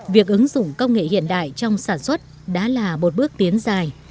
việc ứng dụng công nghệ hiện đại trong sản xuất đã là một bước tiến dài